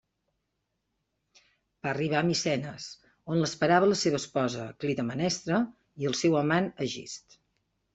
Va arribar a Micenes, on l'esperava la seva esposa, Clitemnestra i el seu amant, Egist.